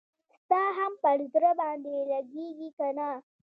ستا هم پر زړه باندي لګیږي کنه؟